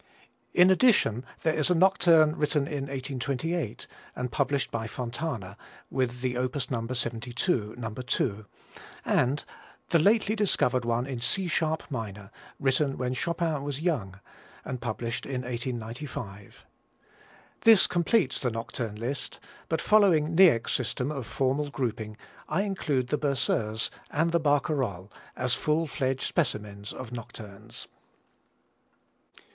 In addition there is a nocturne written in 1828 and published by Fontana, with the opus number 72, No. 2, and the lately discovered one in C sharp minor, written when Chopin was young and published in 1895. This completes the nocturne list, but following Niecks' system of formal grouping I include the Berceuse and Barcarolle as full fledged specimens of nocturnes.